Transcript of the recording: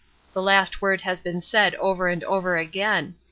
The last word has been said over and over again.